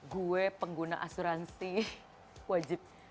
gue pengguna asuransi wajib